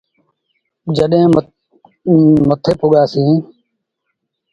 جڏهيݩ مٿي پُڳآسيٚݩ۔